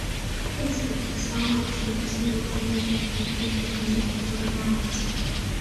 这次骚乱由新国家预算中税收明显增加而引起。